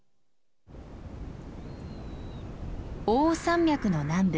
奥羽山脈の南部。